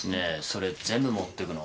それ全部持ってくの？